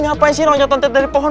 ngapain sih rongcatan teh dari pohon